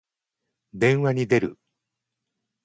電話に出る。